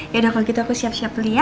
yaudah kalau gitu aku siap siap beli ya